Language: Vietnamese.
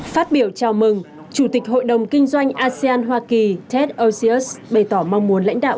phát biểu chào mừng chủ tịch hội đồng kinh doanh asean hoa kỳ tet osius bày tỏ mong muốn lãnh đạo